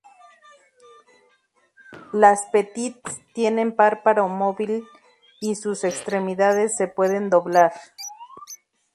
Las Petites tienen párpado móvil y sus extremidades se pueden doblar.